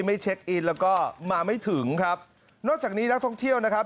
ไม่เช็คอินแล้วก็มาไม่ถึงครับนอกจากนี้นักท่องเที่ยวนะครับ